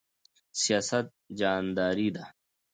سیاست جهانداری ده